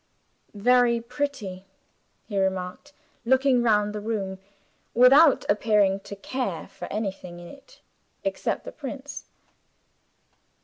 "Very pretty," he remarked, looking round the room without appearing to care for anything in it, except the prints.